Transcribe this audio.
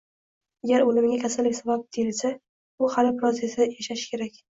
Agar o`limiga kasallik sababchi deyilsa, u hali biroz yashashi kerak edi